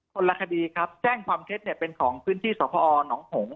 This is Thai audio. ละคดีครับแจ้งความเท็จเนี่ยเป็นของพื้นที่สพหนองหง